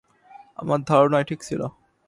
আমার ধারণাই ঠিক ছিল।